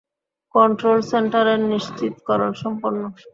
Control সেন্টারের নিশ্চিতকরণ সম্পন্ন।